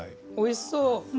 おいしそう。